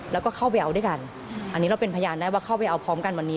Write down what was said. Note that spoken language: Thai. แล้วก็เข้าไปเอาด้วยกันอันนี้เราเป็นพยานได้ว่าเข้าไปเอาพร้อมกันวันนี้